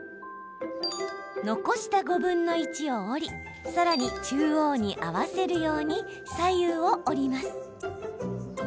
残した５分の１を折りさらに中央に合わせるように左右を折ります。